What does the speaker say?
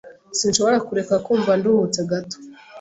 Sinshobora kureka kumva nduhutse gato.